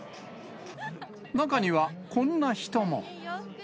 中にはこんな人も。